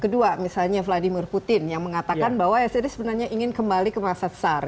kedua misalnya vladimir putin yang mengatakan bahwa ya saya sebenarnya ingin kembali ke masyarakat